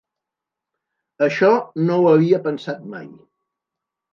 Això no ho havia pensat mai.